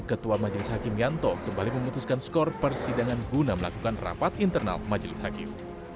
ketua majelis hakim yanto kembali memutuskan skor persidangan guna melakukan rapat internal majelis hakim